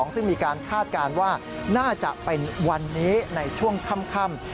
ซึ่งมีการคาดการณ์ว่าน่าจะเป็นวันนี้ในช่วงค่ำ